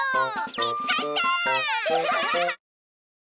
みつかった！